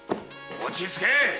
落ち着け！